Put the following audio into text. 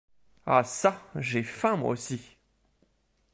Ah çà, j’ai faim moi aussi.